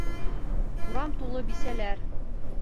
Урам тулы бисәләр!